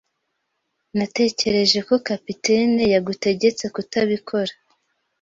Natekereje ko capitaine yagutegetse kutabikora.